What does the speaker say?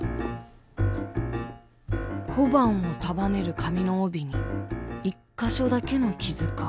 小判を束ねる紙の帯に一か所だけの傷か。